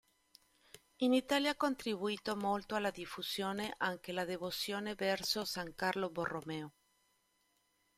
In Italia ha contribuito molto alla diffusione anche la devozione verso san Carlo Borromeo.